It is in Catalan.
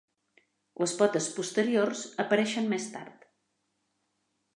Les potes posteriors apareixen més tard.